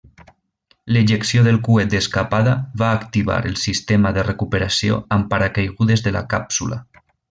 L'ejecció del coet d'escapada va activar el sistema de recuperació amb paracaigudes de la càpsula.